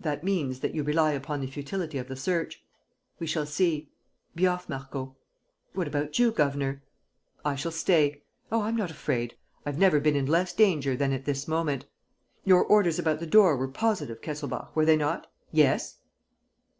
"That means that you rely upon the futility of the search. We shall see. Be off, Marco!" "What about you, governor?" "I shall stay. Oh, I'm not afraid! I've never been in less danger than at this moment. Your orders about the door were positive, Kesselbach, were they not?" "Yes."